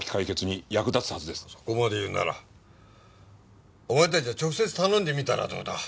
そこまで言うならお前たちが直接頼んでみたらどうだ？